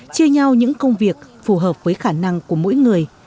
chia nhau những công việc phù hợp với khả năng của mỗi người